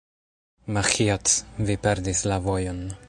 Maĥiac, vi perdis la vojon.